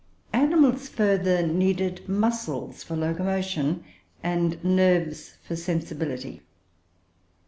Animals further needed muscles for locomotion and nerves for sensibility.